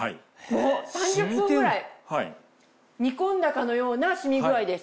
３０分ぐらい煮込んだかのような染み具合です。